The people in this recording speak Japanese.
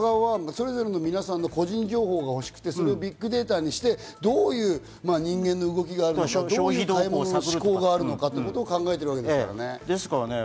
企業側は皆さんの個人情報が欲しくてビッグデータにしてどういう人間の動きがあるのか、どういう買い物の思考があるのかを考えているんですからね。